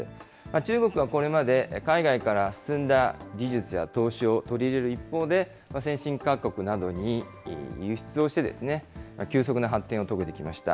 中国はこれまで、海外から進んだ技術や投資を取り入れる一方で、先進各国などに輸出をして、急速な発展を遂げてきました。